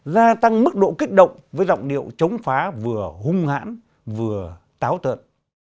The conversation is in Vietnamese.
gia tăng mức độ kích động với giọng điệu chống phá vừa hung hãn vừa táo tợn